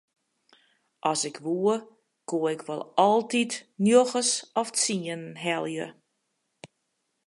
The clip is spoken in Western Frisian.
At ik woe koe ik wol altyd njoggens of tsienen helje.